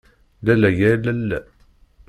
Lalla ya lalla.